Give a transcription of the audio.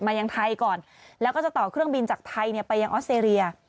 ยังไทยก่อนแล้วก็จะต่อเครื่องบินจากไทยไปยังออสเตรเลีย